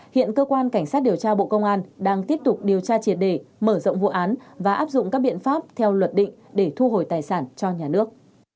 hiện cơ quan cảnh sát điều tra bộ công an đang tiếp tục điều tra triệt đề mở rộng vụ án và áp dụng các biện pháp theo luật định để thu hồi tài sản cho nhà nước